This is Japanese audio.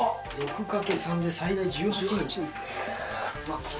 ６かける３で最大１８人。